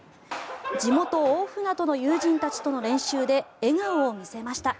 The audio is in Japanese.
地元・大船渡の友人たちとの練習で笑顔を見せました。